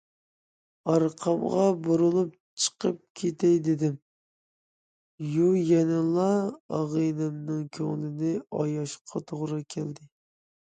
ئارقامغا بۇرۇلۇپ چىقىپ كېتەي دېدىم- يۇ، يەنىلا ئاغىنەمنىڭ كۆڭلىنى ئاياشقا توغرا كەلدى.